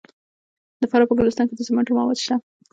د فراه په ګلستان کې د سمنټو مواد شته.